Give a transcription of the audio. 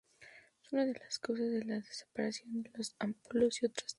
Es una de las causas de la desaparición de las amapolas y otras hierbas.